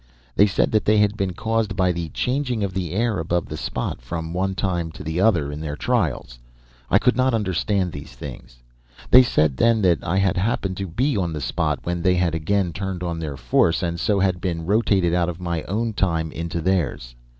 They said that they had been caused by the changing of the air above the spot from the one time to the other in their trials. I could not understand these things. "They said then that I had happened to be on the spot when they had again turned on their force and so had been rotated out of my own time into theirs.